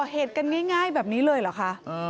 เหตุกันง่ายแบบนี้เลยเหรอคะ